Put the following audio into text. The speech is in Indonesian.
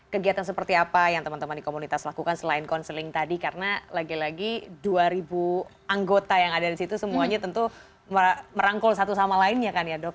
kegiatan seperti apa yang teman teman di komunitas lakukan selain counseling tadi karena lagi lagi dua ribu anggota yang ada di situ semuanya tentu merangkul satu sama lainnya kan ya dok